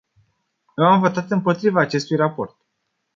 Eu am votat împotriva acestui raport.